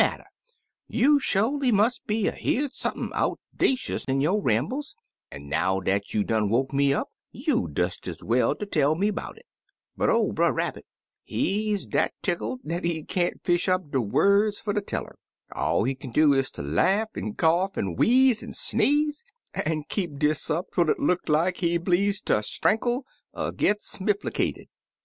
20 Brother Rabbit's Bear Hunt You sholy must 'a' heem sump'n outda cious in yo* rambles, an' now dat you done woke me up, you des ez well ter tell me 'bout it,' but or Brer Rabbit, he's dat tickled dat he can't fish up words fer ter tell 'er; all he kin do is ter laugh an' cough, an' wheeze an' sneeze, an' keep dis up twel it look like he bleeze ter strankle er git smifflicated.